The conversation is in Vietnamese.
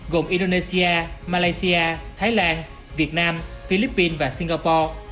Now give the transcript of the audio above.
gồm indonesia malaysia thái lan việt nam philippines và singapore